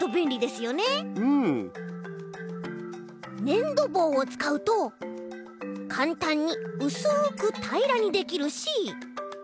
ねんどぼうをつかうとかんたんにうすくたいらにできるし。